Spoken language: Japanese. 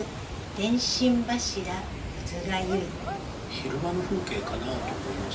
昼間の風景かなと思います。